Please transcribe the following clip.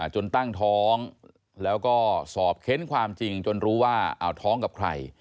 จนตั้งท้องแล้วก็สอบเค้นความจริงจนรู้ว่าท้องกับใคร